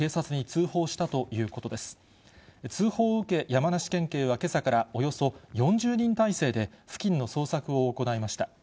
通報を受け、山梨県警はけさからおよそ４０人態勢で付近の捜索を行いました。